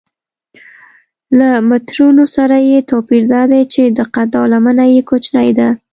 له مترونو سره یې توپیر دا دی چې دقت او لمنه یې کوچنۍ ده.